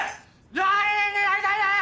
料理人になりたいです！